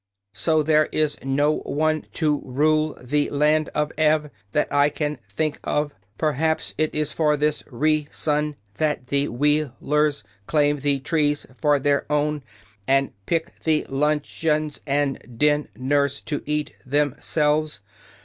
So there is no one to rule the Land of Ev, that I can think of. Per haps it is for this rea son that the Wheel ers claim the trees for their own, and pick the lunch eons and din ners to eat them selves.